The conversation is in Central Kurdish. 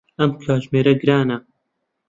ئەم کاتژمێرە گرانە.